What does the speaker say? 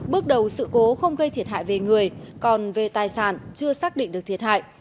bước đầu sự cố không gây thiệt hại về người còn về tài sản chưa xác định được thiệt hại